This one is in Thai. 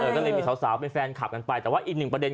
ก็เลยมีสาวเป็นแฟนคลับกันไปแต่ว่าอีกหนึ่งประเด็น